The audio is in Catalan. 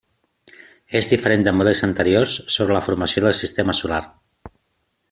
És diferent de models anteriors sobre la formació del sistema solar.